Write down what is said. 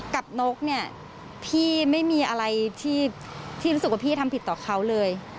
นกเนี่ยพี่ไม่มีอะไรที่รู้สึกว่าพี่ทำผิดต่อเขาเลย